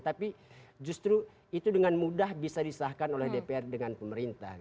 tapi justru itu dengan mudah bisa disahkan oleh dpr dengan pemerintah